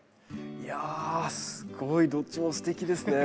いやすごいどっちもすてきですね。